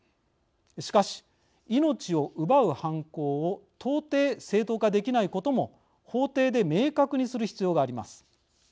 しかし命を奪う犯行を到底正当化できないことも法廷で明確にする必要があります。